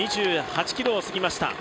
２８ｋｍを過ぎました。